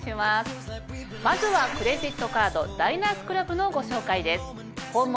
まずはクレジットカードダイナースクラブのご紹介です。